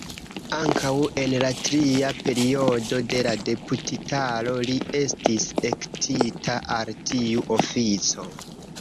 Ankaŭ en la tria periodo de la deputitaro li estis elektita al tiu ofico.